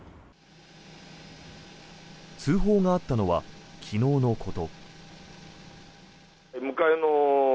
通報があったのは昨日のこと。